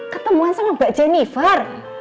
ketemuan sama mbak jennifer